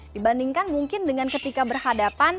dibandingkan mungkin dengan ketika berhadapan